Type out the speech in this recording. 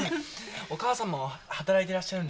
お母さんも働いてらっしゃるんですか？